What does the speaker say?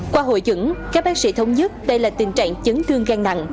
qua hội chứng các bác sĩ thống nhất đây là tình trạng chấn thương gan nặng